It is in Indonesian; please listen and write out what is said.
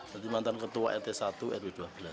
jadi mantan ketua rt satu rw dua belas